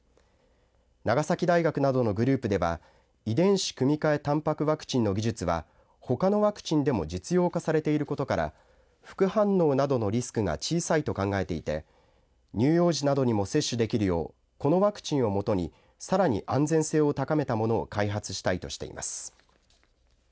長崎大学などのグループでは遺伝子組み換えたんぱくワクチンの技術はほかのワクチンでも実用化されていることから副反応などのリスクが小さいと考えていて乳幼児などにも接種できるようこのワクチンをもとにさらに安全性を高めたものを開発したいとしています。